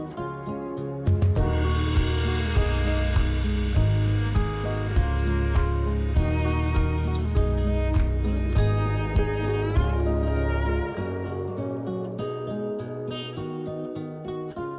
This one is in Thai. โปรดติดตามตอนต่อไป